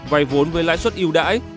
vài vốn với lãi suất yêu đãi